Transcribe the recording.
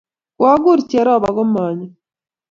koaguk Jerop aku manyo